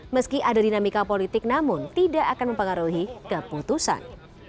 meski ada dinamika politik namun tidak akan mempengaruhi keputusan